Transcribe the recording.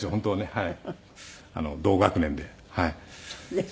はい。